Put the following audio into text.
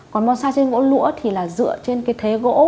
còn bonsai trên gỗ lũa thì dựa trên thế gỗ